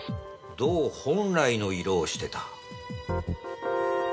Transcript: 銅本来の色をしてた。